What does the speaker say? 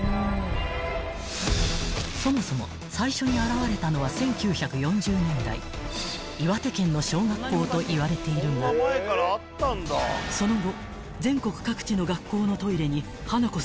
［そもそも最初に現れたのは１９４０年代岩手県の小学校といわれているがその後］